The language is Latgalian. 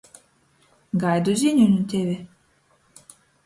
Gaidu ziņu nu teve.